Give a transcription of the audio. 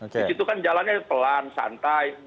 di situ kan jalannya pelan santai